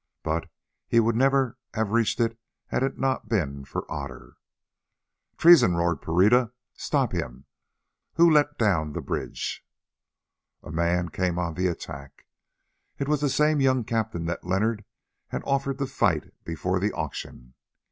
But he would never have reached it had it not been for Otter. "Treason!" roared Pereira; "stop him! Who let down the bridge?" A man came on the attack; it was the same young captain that Leonard had offered to fight before the auction.